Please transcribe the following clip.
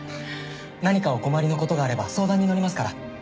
何かお困りの事があれば相談に乗りますから。